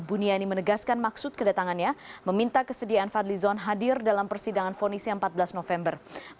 buniani menegaskan maksud kedatangannya meminta kesediaan fadlizon hadir dalam persidangan fonis yang empat belas november